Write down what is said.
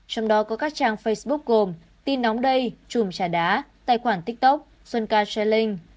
trong đó có các trang facebook gồm tin nóng đây chùm trà đá tài khoản tiktok xuân ca selling